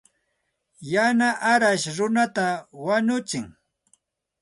Yana arash runata wañutsin.